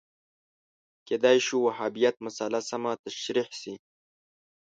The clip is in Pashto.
کېدای شو وهابیت مسأله سمه تشریح شي